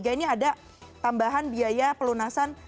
ini ada tambahan biaya pelunasan